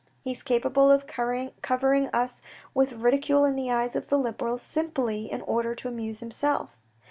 He is capable of covering us with ridicule in the eyes of the Liberals, simply in order to amuse himself.